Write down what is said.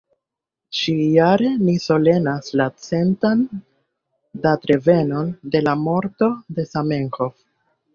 Ĉi-jare ni solenas la centan datrevenon de la morto de Zamenhof.